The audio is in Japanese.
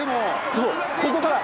そうここから。